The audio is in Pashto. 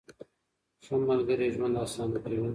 ښه ملګری ژوند اسانه کوي